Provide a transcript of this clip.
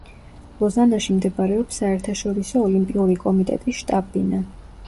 ლოზანაში მდებარეობს საერთაშორისო ოლიმპიური კომიტეტის შტაბ-ბინა.